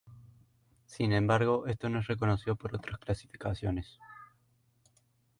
Sin embargo esto no es reconocido por otras clasificaciones.